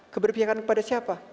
keberpihakan kepada siapa